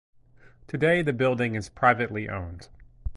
Today the building is privately owned.